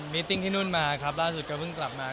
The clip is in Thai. ิตติ้งที่นู่นมาครับล่าสุดก็เพิ่งกลับมา